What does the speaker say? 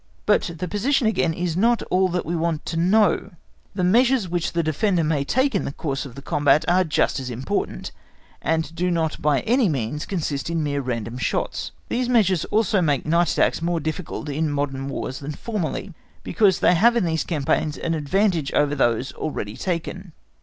But the position again is not all that we want to know the measures which the defender may take in the course of the combat are just as important, and do not by any means consist in mere random shots. These measures also make night attacks more difficult in modern Wars than formerly, because they have in these campaigns an advantage over those already taken.